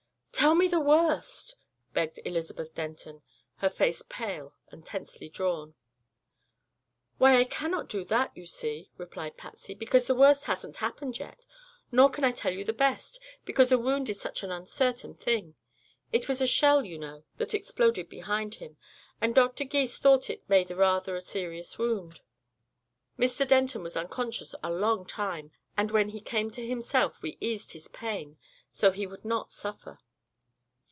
"Tell me the worst!" begged Elizabeth Denton, her face pale and tensely drawn. "Why, I cannot do that, you see," replied Patsy, "because the worst hasn't happened yet; nor can I tell you the best, because a wound is such an uncertain thing. It was a shell, you know, that exploded behind him, and Dr. Gys thought it made a rather serious wound. Mr. Denton was unconscious a long time, and when he came to himself we eased his pain, so he would not suffer."